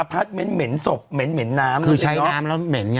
อพาร์ทเม้นท์เหม็นศพเหม็นเหม็นน้ำคือใช้น้ำแล้วเหม็นไง